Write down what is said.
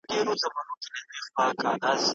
د ناروغانو دوسیې څومره وخت ساتل کیږي؟